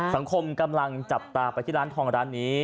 สังคมกำลังจับตาไปที่ร้านทองร้านนี้